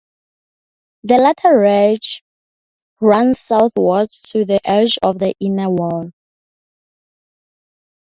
The latter ridge runs southward to the edge of the inner wall.